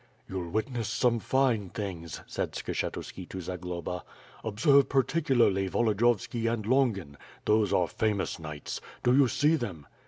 "You'll witness some fine things," said Skshetuski to Za globa. "Observe particularly Volodiyovski and Longin — those are famous knights! Do you see them?"